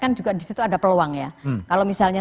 kan juga disitu ada peluang ya kalau misalnya